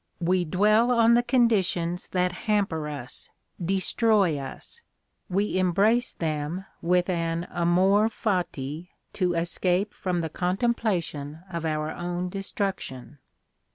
We dwell on the conditions that hamper us, destroy us, we embrace them with an amor fati, to escape from the contemplation of our own destruction.